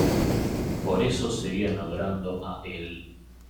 Por eso seguían adorando a El.